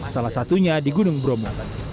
salah satunya di gunung bromo